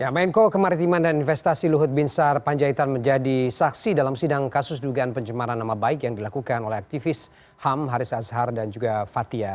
menko kemaritiman dan investasi luhut binsar panjaitan menjadi saksi dalam sidang kasus dugaan pencemaran nama baik yang dilakukan oleh aktivis ham haris azhar dan juga fathia